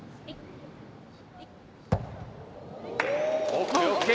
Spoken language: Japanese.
ＯＫＯＫ！